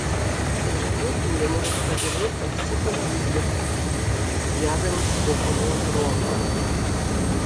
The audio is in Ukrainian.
І вже потім йому розповіли про всі події, зв'язані з похороном Рогволода...